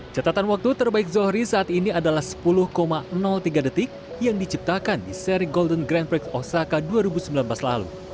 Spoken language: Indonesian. catatan waktu terbaik zohri saat ini adalah sepuluh tiga detik yang diciptakan di seri golden grand prix osaka dua ribu sembilan belas lalu